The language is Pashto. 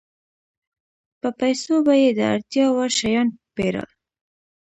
په پیسو به یې د اړتیا وړ شیان پېرل